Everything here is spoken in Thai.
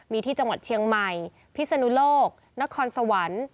มีที่จังหวัดเชียงใหม่พิศนุโลกนครสวรรค์